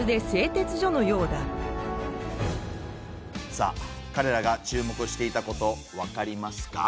さあかれらが注目していたことわかりますか？